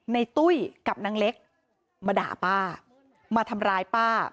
ตุ้ยกับนางเล็กมาด่าป้ามาทำร้ายป้า